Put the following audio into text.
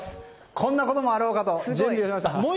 こんなこともあろうかと準備してありました。